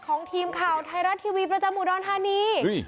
ของทีมข่าวไทรัติวีประจำหมู่ดอนฮานี